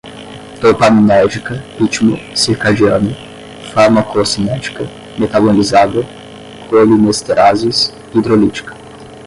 dopaminérgica, ritmo circadiano, farmacocinética, metabolizada, colinesterases, hidrolítica